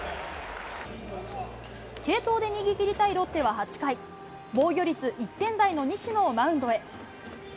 継投で逃げ切りたいロッテは８回、防御率１点台の西野をマウンドへ。